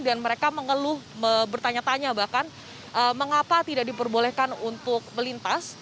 dan mereka mengeluh bertanya tanya bahkan mengapa tidak diperbolehkan untuk melintas